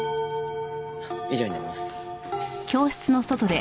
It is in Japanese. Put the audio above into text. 以上になります。